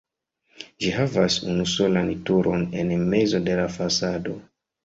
Ĝi havas unusolan turon en mezo de la fasado.